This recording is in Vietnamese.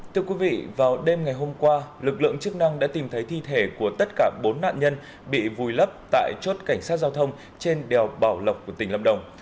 thưa quý vị vào đêm ngày hôm qua lực lượng chức năng đã tìm thấy thi thể của tất cả bốn nạn nhân bị vùi lấp tại chốt cảnh sát giao thông trên đèo bảo lộc của tỉnh lâm đồng